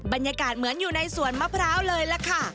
บรรยากาศเหมือนอยู่ในสวนมะพร้าวเลยล่ะค่ะ